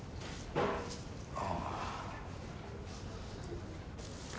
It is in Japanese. ああ。